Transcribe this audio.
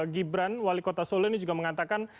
gibran wali kota solo ini juga mengatakan